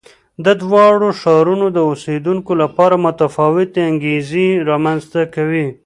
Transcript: د دواړو ښارونو د اوسېدونکو لپاره متفاوتې انګېزې رامنځته کوي.